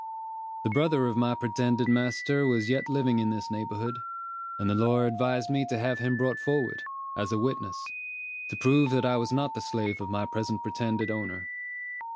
The brother of my pretended master was yet living in this neighborhood, and the lawyer advised me to have him brought forward, as a witness, to prove that I was not the slave of my present pretended owner.